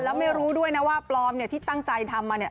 แล้วไม่รู้ด้วยนะว่าปลอมเนี่ยที่ตั้งใจทำมาเนี่ย